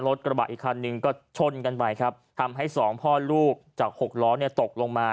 รถกระบะอีกคันหนึ่งก็ชนกันไปครับทำให้สองพ่อลูกจากหกล้อเนี่ยตกลงมา